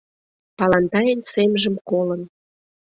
Палантайын семжым колын